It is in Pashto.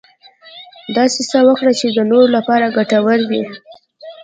داسې څه وکړه چې د نورو لپاره ګټور وي .